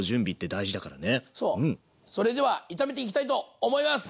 それでは炒めていきたいと思います！